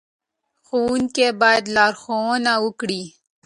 ښوونکي باید لارښوونه وکړي.